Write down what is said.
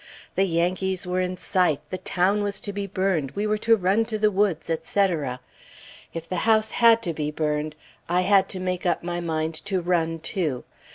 The Yankees were in sight; the town was to be burned; we were to run to the woods, etc. If the house had to be burned, I had to make up my mind to run, too.